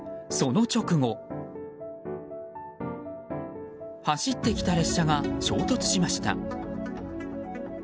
その直後、走ってきた列車が衝突しました。